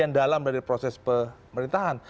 dan dalam dari proses pemerintahan